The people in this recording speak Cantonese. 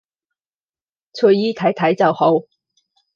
隨意睇睇就好